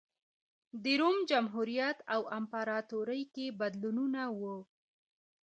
د روم جمهوریت او امپراتورۍ کې بدلونونه و